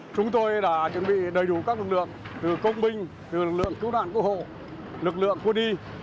chúng tôi đã chuẩn bị đầy đủ các lực lượng từ công binh từ lực lượng cứu nạn cứu hộ lực lượng quân đi